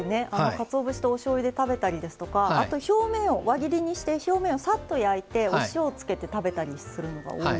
かつお節とおしょうゆで食べたりですとかあと表面を輪切りにして表面をさっと焼いてお塩をつけて食べたりするのが多いですね。